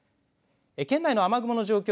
県内の雨雲の状況